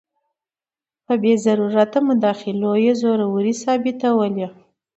په بې ضرورته مداخلو یې زوروري ثابتوله.